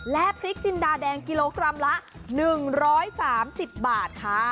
และพริกจินดาแดงกิโลกรัมละ๑๓๐บาทค่ะ